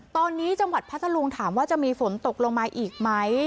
ตอนนี้จังหวัดพัทธลุงถามว่าจะมีฝนตกลงมาอีกไหม